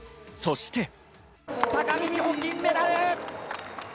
そして。